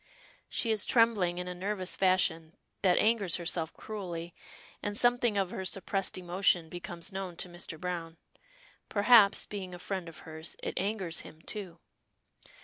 She is trembling in a nervous fashion, that angers herself cruelly, and something of her suppressed emotion becomes known to Mr. Browne. Perhaps, being a friend of hers, it angers him, too.